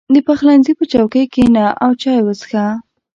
• د پخلنځي په چوکۍ کښېنه او چای وڅښه.